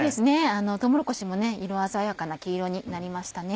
とうもろこしも色鮮やかな黄色になりましたね。